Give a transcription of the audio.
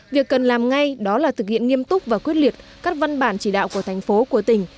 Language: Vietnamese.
việc cần làm ngay đó là thực hiện nghiêm túc và quyết liệt các văn bản chỉ đạo của thành phố của tỉnh